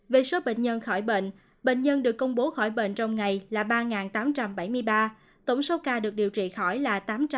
về số bệnh nhân khỏi bệnh bệnh nhân được công bố khỏi bệnh trong ngày là ba tám trăm bảy mươi ba tổng số ca được điều trị khỏi là tám trăm bảy mươi bốn tám trăm bảy mươi